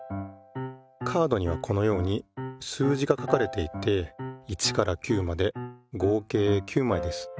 カードにはこのように数字が書かれていて１から９まで合計９まいです。